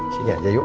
sini aja yuk